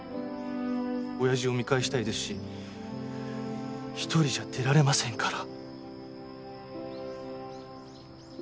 親父を見返したいですし一人じゃ出られませんから。